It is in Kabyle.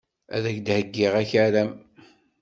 Ad ak-d-heyyiɣ akaram.